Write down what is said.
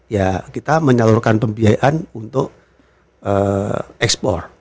ya kita menyalurkan pembiayaan untuk ekspor